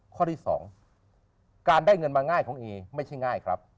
ข้อที่๒การได้เงินมาง่ายของเอไม่ใช่ง่ายครับ